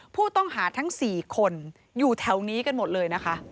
ผู้ต้องหาทั้ง๔คนอยู่แถวนี้กันหมดเลยนะคะ